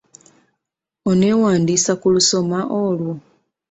Onewandiisa ku lusoma olwo?